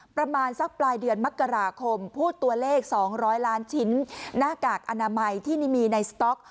ประมาณสักปลายเดือนมกราคมพูดตัวเลข๒๐๐ล้านชิ้นหน้ากากอนามัยที่มีในสต๊อก